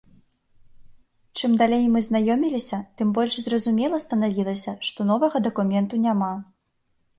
Чым далей мы знаёміліся, тым больш зразумела станавілася, што новага дакументу няма.